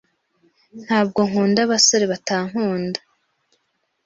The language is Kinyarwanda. Ntabwo nkunda abasore batankunda.